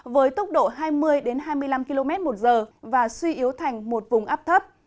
với tốc độ hai mươi hai mươi năm km một giờ và suy yếu thành một vùng áp thấp